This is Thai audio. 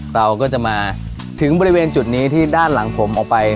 เราก็จะมาถึงบริเวณจุดนี้ที่ด้านหลังผมออกไป